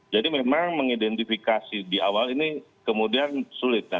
jadi memang mengidentifikasi di awal ini kemudian sulit